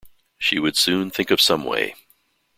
She would soon think of some way.